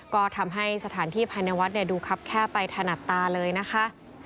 ก็ทำให้สถานที่ภายในวัดดูครับแค่ไปถนัดตาเลยนะคะ